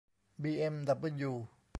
บีเอ็มดับเบิลยู